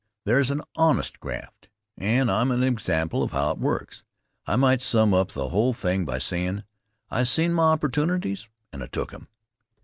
There's an honest graft, and I'm an example of how it works. I might sum up the whole thing by sayin': "I seen my opportunities and I took 'em."